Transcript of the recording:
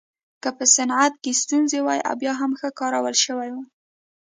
که په صنعت کې ستونزې وای بیا هم ښه کارول شوې وای